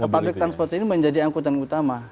dan public transport ini menjadi angkutan utama